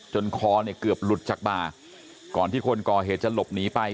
คอเนี่ยเกือบหลุดจากบ่าก่อนที่คนก่อเหตุจะหลบหนีไป